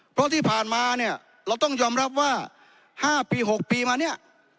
เพราะที่ผ่านมาเนี่ยเราต้องยอมรับว่า๕ปี๖ปีมาเนี่ย